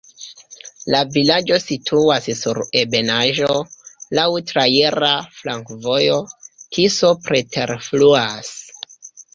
La vilaĝo situas sur ebenaĵo, laŭ traira flankovojo, Tiso preterfluas.